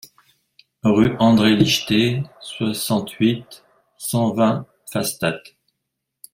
Rue André Lichtlé, soixante-huit, cent vingt Pfastatt